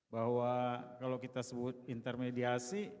bahwa kalau kita sebut intermediasi